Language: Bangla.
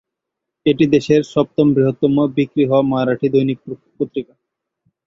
এটি দেশের সপ্তম বৃহত্তম বিক্রি হওয়া মারাঠি দৈনিক পত্রিকা।